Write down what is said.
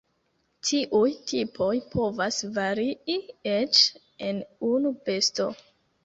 Tiuj tipoj povas varii eĉ en unu besto.